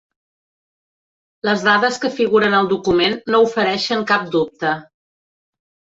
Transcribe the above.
Les dades que figuren al document no ofereixen cap dubte.